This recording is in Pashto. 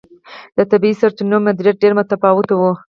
د طبیعي سرچینو مدیریت ډېر متفاوت و.